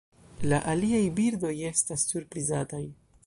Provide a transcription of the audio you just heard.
La aliaj birdoj estas surprizataj.